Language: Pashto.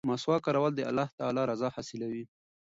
مسواک کارول د الله تعالی رضا حاصلوي.